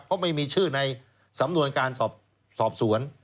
เพราะไม่มีชื่อในสำนวนการสอบสวน